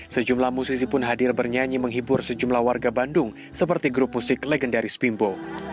sejumlah musisi pun hadir bernyanyi menghibur sejumlah warga bandung seperti grup musik legendaris bimbo